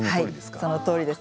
そのとおりです。